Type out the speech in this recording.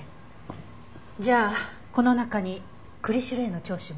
じゃあこの中に栗城への聴取も？